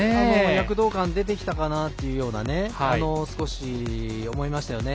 躍動感出てきたかなと少し思いましたよね。